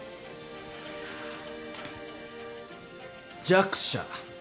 弱者。